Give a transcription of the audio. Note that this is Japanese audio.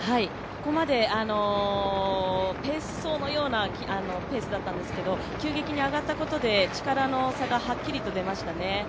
ここまでペース走のようなペースだったんですけど急激に上がったことで力の差がはっきりと出ましたね。